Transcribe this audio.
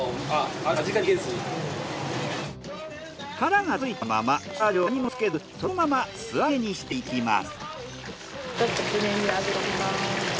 殻がついたまま下味を何もつけずそのまま素揚げにしていきます。